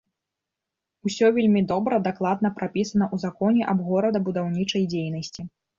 Усё вельмі добра, дакладна прапісана ў законе аб горадабудаўнічай дзейнасці.